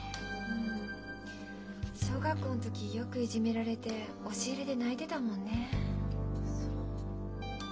小学校ん時よくいじめられて押し入れで泣いてたもんね。